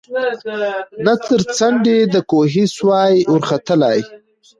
نه تر څنډی د کوهي سوای ورختلای